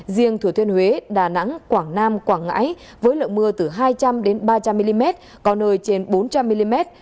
riêng thừa thiên huế đà nẵng quảng nam quảng ngãi với lượng mưa từ hai trăm linh ba trăm linh mm có nơi trên bốn trăm linh mm